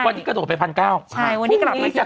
วันนี้กระโดดไปพันเก้าใช่วันนี้กระโดดมาสิพันเก้า